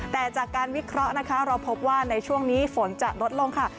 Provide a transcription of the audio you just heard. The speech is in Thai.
แต่จากการวิเคราะห์นะคะเราพบว่าในช่วงนี้ฝนจะลดลงค่ะ